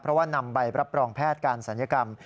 เพราะว่านำใบรับรองแพทย์การศัลยกรรม